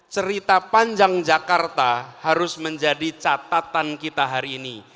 cerita panjang jakarta harus menjadi catatan kita hari ini